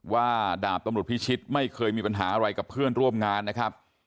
ดาบตำรวจพิชิตไม่เคยมีปัญหาอะไรกับเพื่อนร่วมงานนะครับ